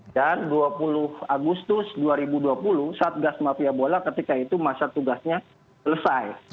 dan dua puluh agustus dua ribu dua puluh satgas anti mafia bola ketika itu masa tugasnya selesai